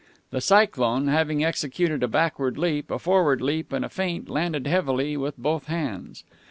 The Cyclone, having executed a backward leap, a forward leap, and a feint, landed heavily with both hands.